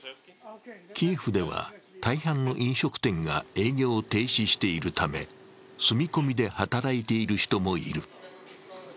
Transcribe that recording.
キエフでは、大半の飲食店が営業を停止しているため、住み込みで働いている人もいる。